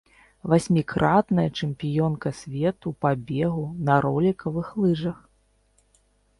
Васьмікратная чэмпіёнка свету па бегу на ролікавых лыжах.